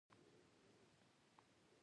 لمری څارن د خپلې ډلې پرمختګ پر دوام څار کوي.